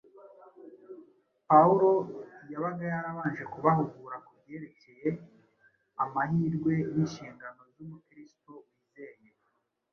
Pawulo yabaga yarabanje kubahugura ku byerekeye amahirwe n’inshingano z’Umukristo wizeye,